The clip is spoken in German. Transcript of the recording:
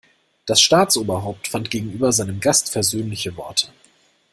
Das Staatsoberhaupt fand gegenüber seinem Gast versöhnliche Worte.